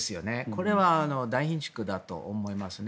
これは大ひんしゅくだと思いますね。